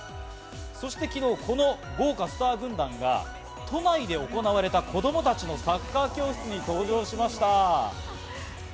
そして昨日、この豪華スター軍団が、都内で行われた子供たちのサッカー教室に登場しました。